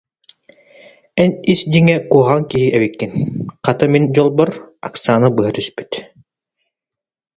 Эн ис дьиҥэ куһаҕан киһи эбиккин, хата, мин дьолбор Оксана быһа түспүт